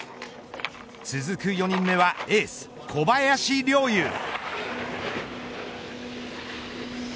続く４人目はエース小林陵侑。